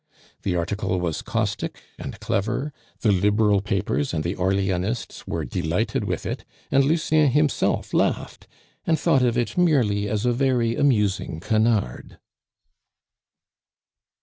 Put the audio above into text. The article was caustic and clever, the Liberal papers and the Orleanists were delighted with it, and Lucien himself laughed, and thought of it merely as a very amusing canard.